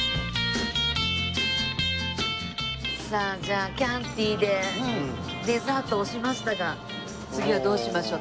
さあじゃあキャンティでデザートをしましたが次はどうしましょう？